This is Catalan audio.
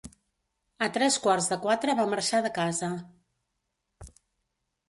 A tres quarts de quatre va marxar de casa.